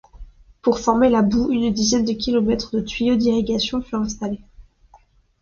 Pour former la boue, une dizaine de kilomètres de tuyaux d'irrigation furent installés.